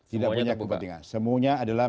tidak punya kepentingan semuanya adalah